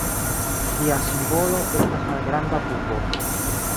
Lia simbolo estas malgranda pupo.